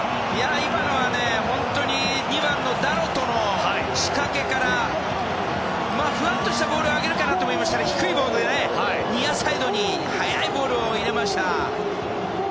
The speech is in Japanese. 今のは、本当に２番のダロトの仕掛けからふわっとしたボールを上げるかなと思ったら低いボールでニアサイドに速いボールを入れました。